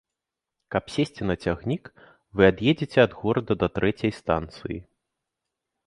Каб сесці на цягнік, вы ад'едзеце ад горада да трэцяй станцыі.